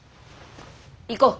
行こう。